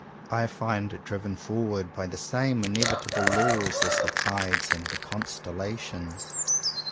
I find it driven forward by the same in evitable laws as the tides and the con stellations.